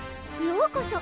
ようこそ